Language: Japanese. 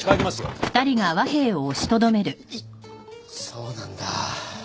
そうなんだ。